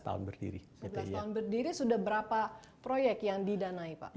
sebelas tahun berdiri sudah berapa proyek yang didanai pak